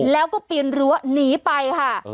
แล้วก็ปีนรั้วหนีไปค่ะ